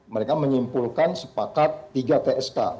mereka menyimpulkan sepakat tiga tsk